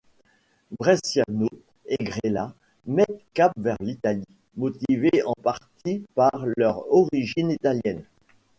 Bresciano et Grella mettent cap vers l'Italie, motivés en partie par leur origine italienne.